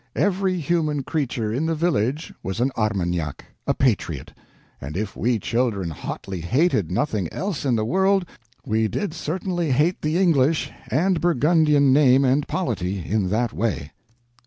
Every human creature in the village was an Armagnac—a patriot—and if we children hotly hated nothing else in the world, we did certainly hate the English and Burgundian name and polity in that way.